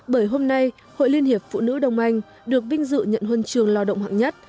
bởi hôm nay hội liên hiệp phụ nữ đông anh được vinh dự nhận huân trường lao động hạng nhất